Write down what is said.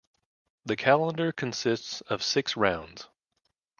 The calendar consists of six rounds.